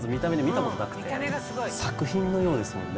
作品のようですもんね。